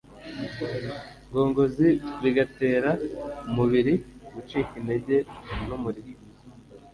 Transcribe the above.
ngongozi bigatera umubiri gucika intege numuriro